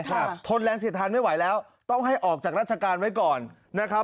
ทนแรงเสียดทานไม่ไหวแล้วต้องให้ออกจากราชการไว้ก่อนนะครับ